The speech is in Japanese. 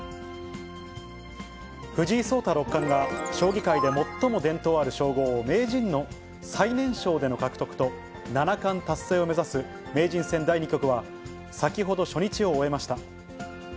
藤井聡太六冠が、将棋界で最も伝統ある称号、名人の最年少での獲得と、七冠達成を目指す名人戦第２局は、先ほど、初日を終えました。